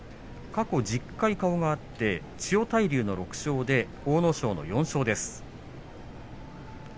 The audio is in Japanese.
過去１０回顔が合って千代大龍の６勝で阿武咲が４勝です。